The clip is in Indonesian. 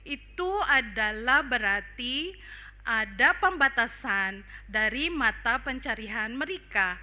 itu adalah berarti ada pembatasan dari mata pencarian mereka